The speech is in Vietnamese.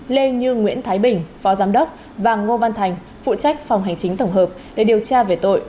lê như nguyễn thái bình phó giám đốc và ngô văn thành phụ trách phòng hành chính tổng hợp để điều tra về tội